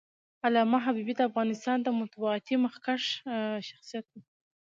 علامه حبيبي د افغانستان د مطبوعاتو مخکښ شخصیت و.